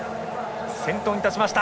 先頭に立ちました。